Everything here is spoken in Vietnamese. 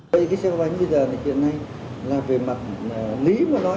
và lý mà nói thì người ta cần chất lượng thôi